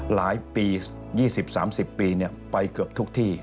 หลายปี๒๐๓๐ปีไปเกือบทุกที่